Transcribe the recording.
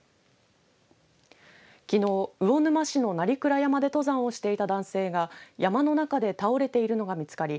きのう、魚沼市の鳴倉山で登山をしていた男性が山の中で倒れているのが見つかり